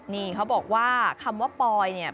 นี่เขาบอกว่าคำว่าปอยเนี่ย